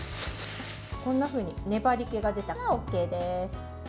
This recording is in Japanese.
こんなふうに粘りけが出たらＯＫです。